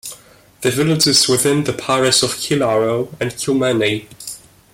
The village is within the parish of Killarow and Kilmeny.